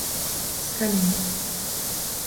Skaline.